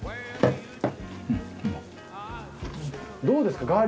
どうですか？